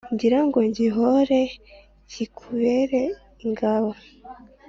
Ngira ngo gihore kikubera ingabo